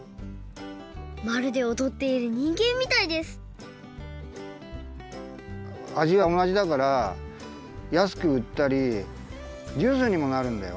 まるでおどっているにんげんみたいですあじはおなじだからやすくうったりジュースにもなるんだよ。